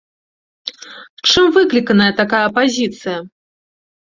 Чым выкліканая такая пазіцыя?